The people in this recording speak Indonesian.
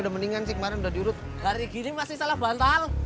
udah mendingan sih kemarin udah diurut lari gini masih salah bantal